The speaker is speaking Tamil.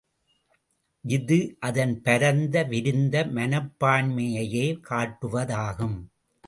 இது, அதன் பரந்து விரிந்த மனப்பான்மையையே காட்டுவதாகும்.